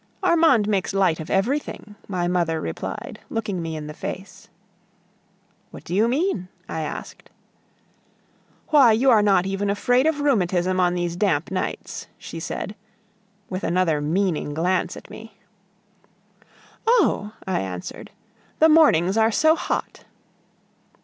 "Armande makes light of everything," my mother replied, looking me in the face. "What do you mean?" I asked. "Why, you are not even afraid of rheumatism on these damp nights," she said, with another meaning glance at me. "Oh!" I answered, "the mornings are so hot!"